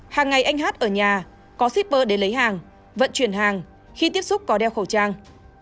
hàng ngày anh hát ở nhà có shipper để lấy hàng vận chuyển hàng khi tiếp xúc có đeo khẩu trang